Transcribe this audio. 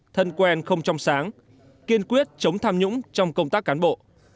thân quen không trong sáng kiên quyết chống tham nhũng trong công tác cán bộ